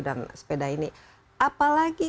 dan sepeda ini apalagi